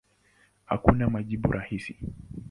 Hakuna majibu rahisi.